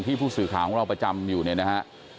ผู้สื่อข่าวของเราประจำอยู่เนี่ยนะฮะ